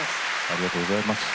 ありがとうございます。